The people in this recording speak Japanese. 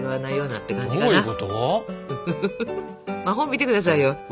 まあ本見てくださいよ。